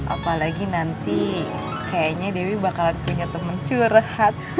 apalagi nanti kayaknya dewi bakalan punya teman curhat